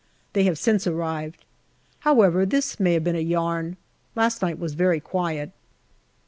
They have since arrived. However, this may have been a yarn. Last night was very quiet.